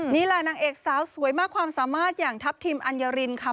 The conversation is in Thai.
นี่แหละนางเอกสาวสวยมากความสามารถอย่างทัพทิมอัญญารินค่ะ